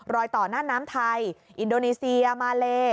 ต่อหน้าน้ำไทยอินโดนีเซียมาเล